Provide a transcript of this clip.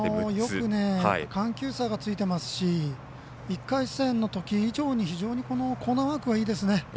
よく、緩急差がついていますし１回戦のとき以上にコーナーワークがいいですね。